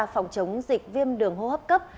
phòng chống dịch viêm đường hô hấp cấp